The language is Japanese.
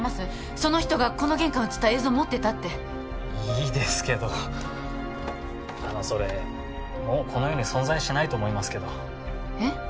その人がこの玄関写った映像持ってたっていいですけどあのそれもうこの世に存在しないと思いますけどえっ？